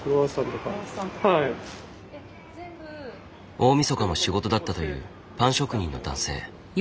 大みそかも仕事だったというパン職人の男性。